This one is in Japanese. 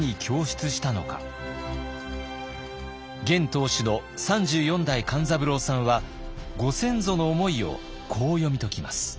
現当主の３４代勘三郎さんはご先祖の思いをこう読み解きます。